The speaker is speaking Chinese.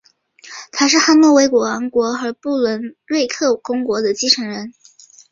他是汉诺威王国和不伦瑞克公国的继承人。